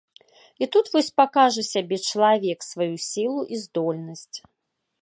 І тут вось пакажа сябе чалавек, сваю сілу і здольнасць.